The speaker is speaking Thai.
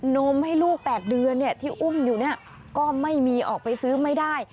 นมให้ลูก๘เดือนที่อุ้มอยู่ก็ไม่มีออกไปซื้อไม่ได้